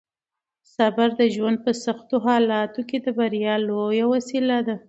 صبر د ژوند په سختو حالاتو کې د بریا لویه وسیله ده.